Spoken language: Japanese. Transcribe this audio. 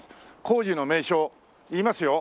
工事の名称言いますよ。